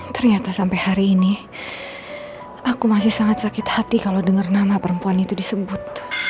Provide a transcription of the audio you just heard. ternyata sampai hari ini aku masih sangat sakit hati kalau dengar nama perempuan itu disebut